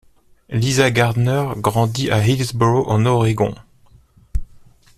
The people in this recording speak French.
Lisa Gardner grandit à Hillsboro en Oregon.